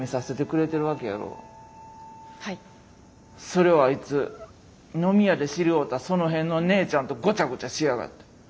それをあいつ飲み屋で知り合うたその辺のねえちゃんとごちゃごちゃしやがって。